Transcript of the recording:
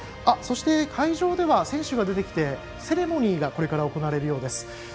そして会場では選手が出てきてセレモニーがこれから行われるようです。